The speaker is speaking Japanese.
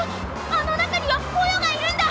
あのなかにはポヨがいるんだ！